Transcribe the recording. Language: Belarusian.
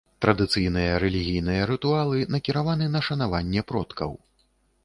Традыцыйныя рэлігійныя рытуалы накіраваны на шанаванне продкаў.